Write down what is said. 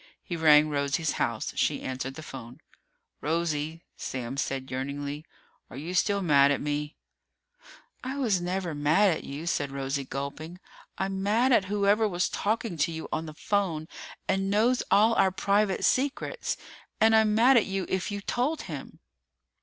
He rang Rosie's house. She answered the phone. "Rosie," Sam asked yearningly, "are you still mad at me?" "I never was mad at you," said Rose, gulping. "I'm mad at whoever was talking to you on the phone and knows all our private secrets. And I'm mad at you if you told him."